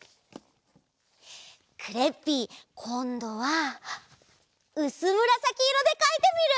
クレッピーこんどはうすむらさきいろでかいてみる！